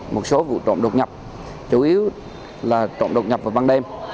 một số vụ trộm đột nhập chủ yếu là trộm đột nhập vào ban đêm